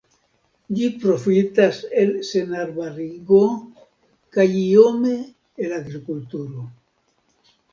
Ĝi profitas el senarbarigo kaj iome el agrikulturo.